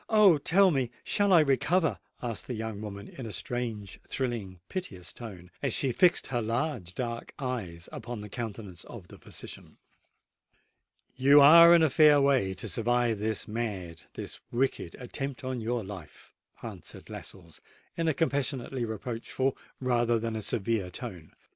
Oh! tell me—shall I recover?" asked the young woman in a strange, thrilling, piteous tone, as she fixed her large dark eyes upon the countenance of the physician. "You are in a fair way to survive this mad—this wicked attempt upon your life," answered Lascelles, in a compassionately reproachful rather than a severe tone.